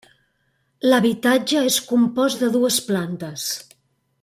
L'habitatge és compost de dues plantes.